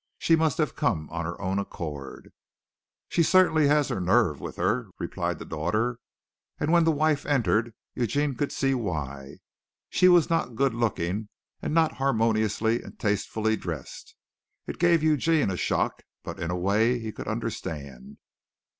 She must have come of her own accord." "She certainly has her nerve with her," replied the daughter and when the wife entered Eugene could see why. She was not good looking and not harmoniously and tastefully dressed. It gave Eugene a shock, but in a way he could understand.